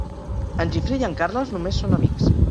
En Gifré i en Carles només són amics.